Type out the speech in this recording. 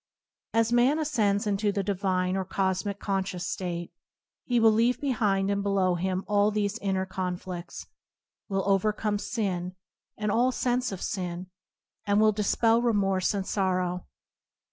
As man ascends into the divine or cosmic conscious state, he will leave behind and below him all these inner conflicts, will overcome sin and all sense [ 30] IBoop anD Circumstance of sin, and will dispel remorse and sorrow.